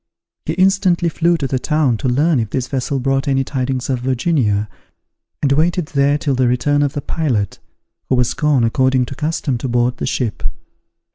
He instantly flew to the town to learn if this vessel brought any tidings of Virginia, and waited there till the return of the pilot, who was gone, according to custom, to board the ship.